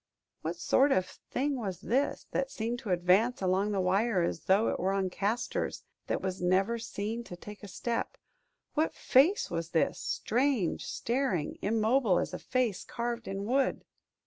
What sort of thing was this, that seemed to advance along the wire as though it were on casters that was never seen to take a step? What face was this, strange, staring, immobile as a face carved in wood?